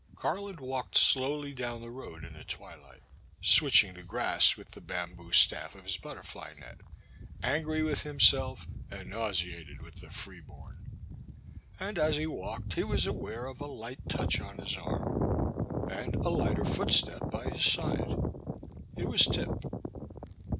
250 714^ Boys Sister. Garland walked slowly down the road in the twilight, switching the grass with the bamboo staff of his butterfly net, angry with himself and nauseated with the free bom. And as he walked he was aware of a light touch on his arm, and a lighter footstep by his side. It was Tip.